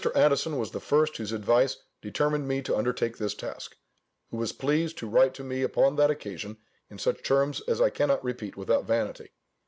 Addison was the first whose advice determined me to undertake this task; who was pleased to write to me upon that occasion in such terms as I cannot repeat without vanity.